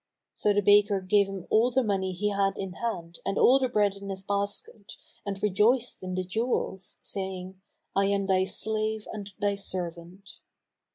So the baker gave him all the money he had in hand and all the bread in his basket and rejoiced in the jewels, saying, "I am thy slave and thy servant."